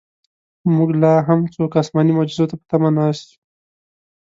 موږ لاهم څوک اسماني معجزو ته په تمه ناست یو.